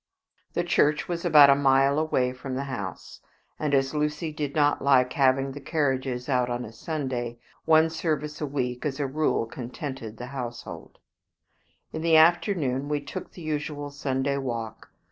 The church was about a mile away from the house, and as Lucy did not like having the carriages out on a Sunday, one service a week as a rule contented the household. In the afternoon we took the usual Sunday walk.